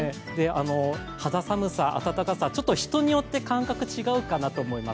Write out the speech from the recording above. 肌寒さ、暖かさ、人によって感覚違うかなと思います。